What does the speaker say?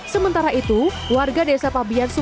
sementara itu warga desa pabian